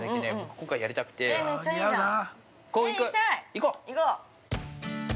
◆行こう。